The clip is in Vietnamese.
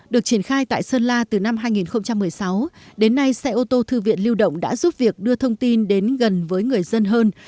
được triển khai tại sơn la từ năm hai nghìn một mươi sáu đến nay xe ô tô thư viện lưu động đã giúp việc đưa thông tin đến gần với người dân hơn